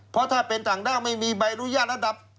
เพราะถ้าเป็นต่างด้าวไม่มีใบอนุญาตระดับ